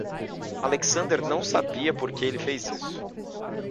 Alexander não sabia por que ele fez isso.